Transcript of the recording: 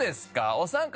お三方